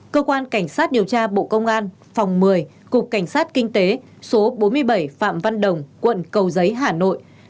cơ quan cảnh sát điều tra bộ công an phòng một mươi cục cảnh sát kinh tế số bốn mươi bảy phạm văn đồng quận cầu giấy hà nội